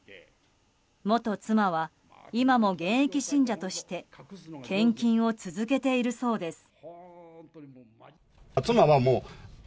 元妻は、今も現役信者として献金を続けているそうです。